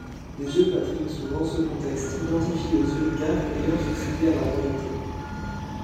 Les Eupatrides sont dans ce contexte identifiés aux oligarques ayant succédé à la royauté.